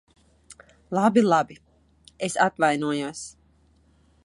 Labi, labi. Es atvainojos.